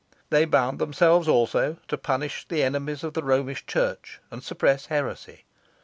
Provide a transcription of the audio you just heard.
They bound themselves, also, to punish the enemies of the Romish church, and suppress heresy.